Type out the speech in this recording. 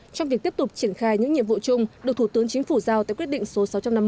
trong việc tiếp tục triển khai những nhiệm vụ chung được thủ tướng chính phủ giao tại quyết định số sáu trăm năm mươi